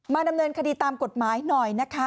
ดำเนินคดีตามกฎหมายหน่อยนะคะ